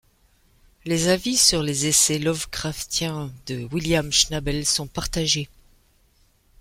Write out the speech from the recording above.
Les avis sur les essais lovecraftiens de William Schnabel sont partagés.